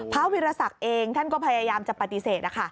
วิรสักเองท่านก็พยายามจะปฏิเสธ